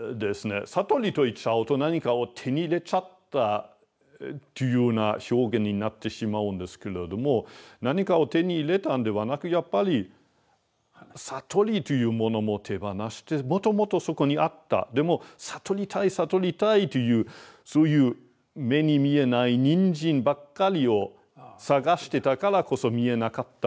悟りと言っちゃうと何かを手に入れちゃったというような表現になってしまうんですけれども何かを手に入れたんではなくやっぱり悟りというものも手放してもともとそこにあったでも悟りたい悟りたいというそういう目に見えないニンジンばっかりを探してたからこそ見えなかったものですね。